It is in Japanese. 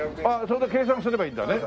それで計算すればいいんだね。